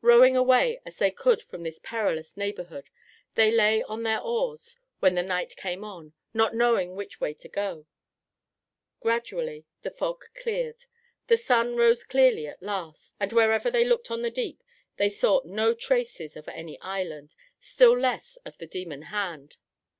Rowing away as they could from this perilous neighborhood, they lay on their oars when the night came on, not knowing which way to go. Gradually the fog cleared away, the sun rose clearly at last, and wherever they looked on the deep they saw no traces of any island, still less of the demon hand.